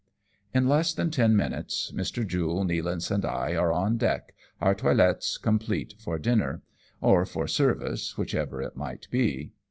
In less than ten minutes, Mr. Jule, Nealance and I are on deck^ our toilets complete for dinner ; or for service, whichever it might be.